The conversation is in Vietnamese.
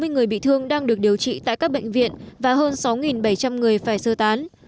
năm trăm bốn mươi người bị thương đang được điều trị tại các bệnh viện và hơn sáu bảy trăm linh người phải sơ tán